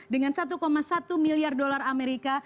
dengan satu satu miliar dolar amerika